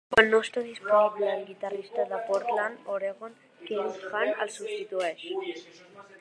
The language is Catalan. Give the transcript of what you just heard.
Quan no està disponible, el guitarrista de Portland (Oregon) Kevin Hahn el substitueix.